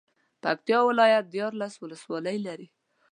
پکتيا ولايت ديارلس ولسوالۍ لري.